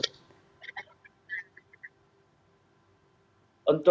fikri kepala hak asasi manusia pbb volker terek menyerukan agar serangan yang terjadi saat ini segera dihentikan